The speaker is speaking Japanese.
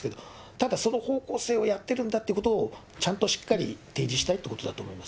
ただその方向性をやってるんだということを、ちゃんとしっかり提示したいということだと思います。